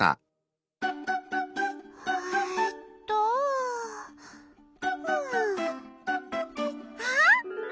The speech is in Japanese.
・えっとうんあっ！